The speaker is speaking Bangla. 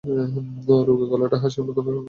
রোগা, গলাটা হাঁসের মতো অনেকখানি লম্বা।